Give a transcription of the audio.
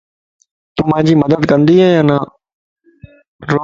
تون مانجي مدد ڪندي يا نا؟